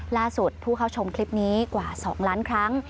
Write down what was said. ผู้เข้าชมคลิปนี้กว่า๒ล้านครั้ง